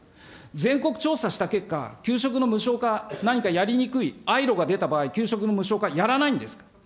全国調査した結果、給食の無償化、何かやりにくい、あいろが出た場合、給食の無償化、やらないんですか。